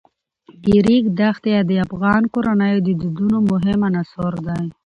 د ریګ دښتې د افغان کورنیو د دودونو مهم عنصر دی.